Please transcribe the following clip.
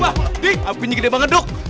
wah apinya gede banget dok